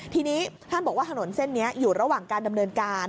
ทีนี้ท่านบอกว่าถนนเส้นนี้อยู่ระหว่างการดำเนินการ